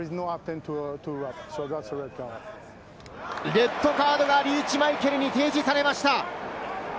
レッドカードがリーチ・マイケルに提示されました。